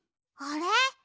あれ？